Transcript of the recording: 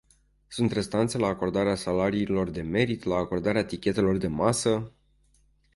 Sunt restanțe la acordarea salariilor de merit, la acordarea tichetelor de masă.